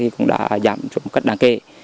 cũng đã giảm một cách đáng kể